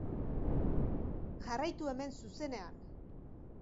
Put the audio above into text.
Jarraitu hemen, zuzenean.